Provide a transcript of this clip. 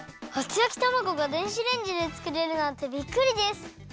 あつ焼きたまごが電子レンジでつくれるなんてびっくりです！